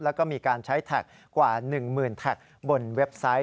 แล้วก็มีการใช้แท็กกว่า๑หมื่นแท็กบนเว็บไซต์